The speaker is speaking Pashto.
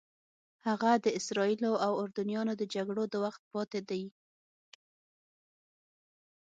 هغه د اسرائیلو او اردنیانو د جګړو د وخت پاتې دي.